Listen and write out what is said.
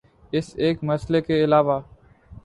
اس ایک مسئلے کے علاوہ